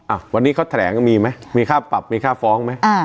อ่ะวันนี้เขาแถลงก็มีไหมมีค่าปรับมีค่าฟ้องไหมอ่า